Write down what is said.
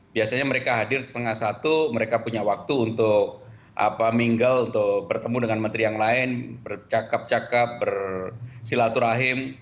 biasanya mereka hadir setengah satu mereka punya waktu untuk mingle untuk bertemu dengan menteri yang lain bercakap cakap bersilaturahim